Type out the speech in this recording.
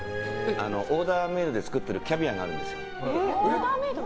オーダーメイドで作ってるキャビアがあるんですよ。